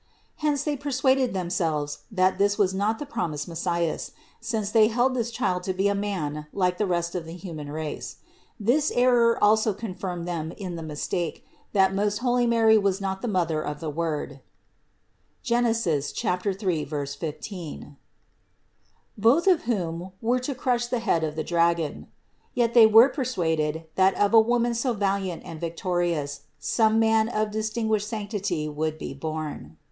Hence they persuaded themselves that this was not the promised Messias, since they held this Child to be a man like the rest of the human race. This error also confirmed them in the mistake that most holy Mary was not the Mother of the Word (Gen. 3, 15) : Both of whom were to crush the head of the dragon. Yet they were persuaded that of a Woman so valiant and victorious, some man of dis tinguished sanctity would be born.